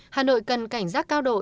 hà nội cần cảnh giác cao độ